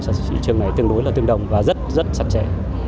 sản xuất thị trường này tương đối là tương đồng và rất rất sẵn trẻ